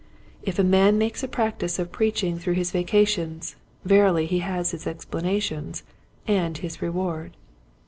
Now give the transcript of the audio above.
If a man makes a practice of preaching through his vacations, verily he has his explanations — and his reward.